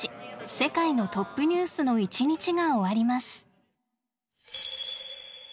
世界のトップニュース」の一日が終わります。